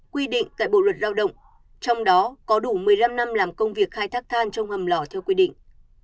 quy định tại bộ luật lao động trong đó có đủ một mươi năm năm làm công việc khai thác than trong hầm lò theo quy định